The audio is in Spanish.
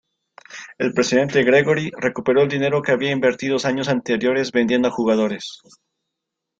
El presidente Gregory recuperó el dinero que había invertido años anteriores vendiendo a jugadores.